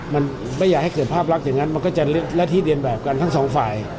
มันไม่อยากให้เกิดภาพลักษณ์อย่างนั้นมันก็จะหน้าที่เรียนแบบกันทั้งสองฝ่าย